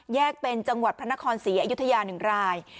แยกเป็นจังหวัดพระนครศรีอยุธยา๑ราย